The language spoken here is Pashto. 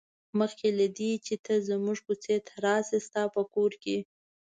مخکې له دې چې ته زموږ کوڅې ته راشې ستا په کور کې.